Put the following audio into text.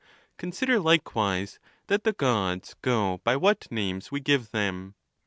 Consider, likewise, that the Gods go by what names we give them.